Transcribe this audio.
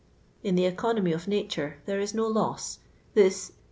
In the economy of Nature there is no loss : this the